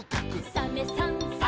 「サメさんサバさん」